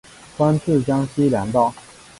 官至江西粮道。